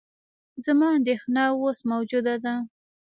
زما اندېښنه اوس موجوده ده.